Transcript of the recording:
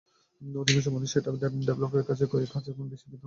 অধিকাংশ মানুষ সেটা ডেভেলপারদের কাছে কয়েক হাজার গুণ বেশি দামে বিক্রি করছেন।